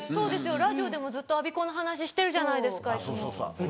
ラジオでもずっと我孫子の話してるじゃないですかいつも。